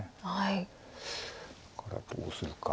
からどうするか。